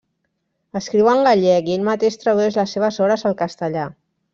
Escriu en gallec i ell mateix tradueix les seves obres al castellà.